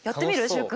習君。